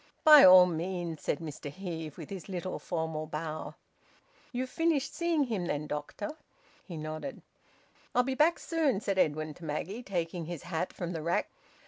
"By all means," said Mr Heve, with his little formal bow. "You've finished seeing him then, doctor?" He nodded. "I'll be back soon," said Edwin to Maggie, taking his hat from the rack.